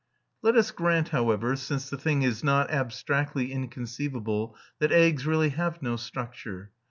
Let us grant, however, since the thing is not abstractly inconceivable, that eggs really have no structure.